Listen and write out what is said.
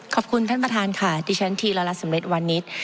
ขอบคุณท่านประธานค่ะดิฉันทีละลัดเมษมีรสวันนี้